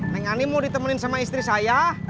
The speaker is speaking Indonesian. neng ani mau ditemenin sama istri saya